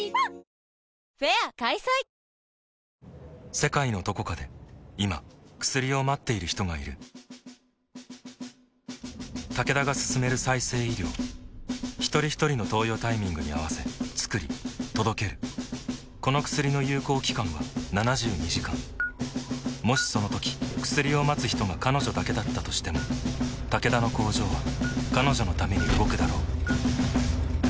世界のどこかで今薬を待っている人がいるタケダが進める再生医療ひとりひとりの投与タイミングに合わせつくり届けるこの薬の有効期間は７２時間もしそのとき薬を待つ人が彼女だけだったとしてもタケダの工場は彼女のために動くだろう